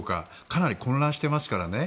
かなり混乱してますからね。